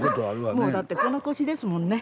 もうだってこの年ですもんね。